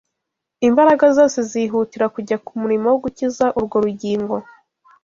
imbaraga zose zihutira kujya ku murimo wo gukiza urwo rugingo